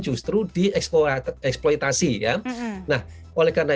justru dieksploitasi ya nah oleh karena